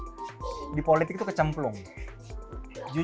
jujur kalau indonesia politiknya udah bagus saya mungkin nggak di politik